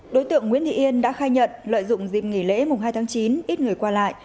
đối tượng nguyễn thị yên đã khai nhận lợi dụng dịp nghỉ lễ mùng hai tháng chín ít người qua lại